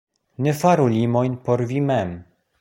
Ne faru limojn por vi mem.